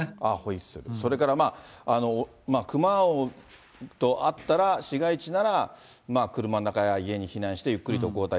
それから、クマと会ったら市街地なら、車の中や家に避難してゆっくりと後退。